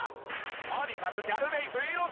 とにかくギャルメイク命！